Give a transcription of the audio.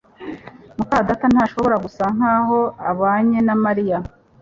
muka data ntashobora gusa nkaho abanye na Mariya